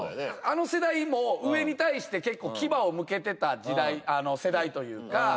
あの世代も上に対して結構牙をむけてた世代というか。